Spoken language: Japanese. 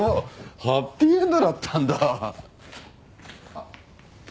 あっ。